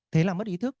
thế là mất ý thức